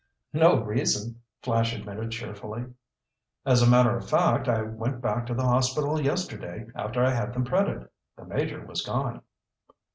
"No reason," Flash admitted cheerfully. "As a matter of fact, I went back to the hospital yesterday after I had them printed. The Major was gone."